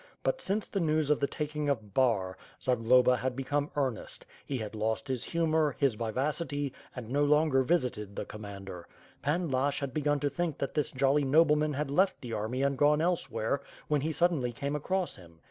But since the news of the taking of Bar, Zagloba had become earn est; he had lost his humor, his vivacity and no longer visited the commander. Pan Lashch had begun to think that this jolly nobleman had left th e army and gone elsewhere, when he suddenly came across him.